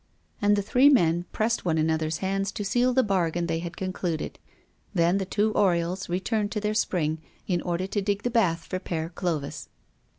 And the three men pressed one another's hands to seal the bargain they had concluded. Then, the two Oriols returned to their spring, in order to dig the bath for Père Clovis.